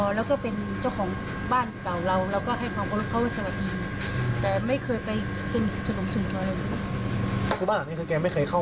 หลังจากที่ขายนะครับแกเคยเข้ามาบ้านอักษณะอยู่หรือเปล่า